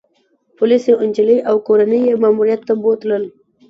پولیسو انجلۍ او کورنۍ يې ماموریت ته بوتلل